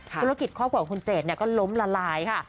ธุรกิจครอบครัวของคุณเจดก็ล้มละลายค่ะ